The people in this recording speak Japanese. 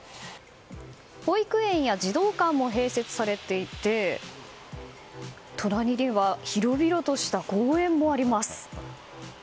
保育園や児童館も併設されていて隣には広々とした公園もあります。